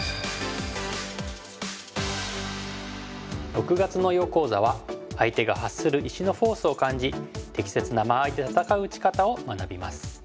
６月の囲碁講座は相手が発する石のフォースを感じ適切な間合いで戦う打ち方を学びます。